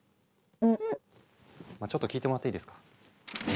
まちょっと聞いてもらっていいですか？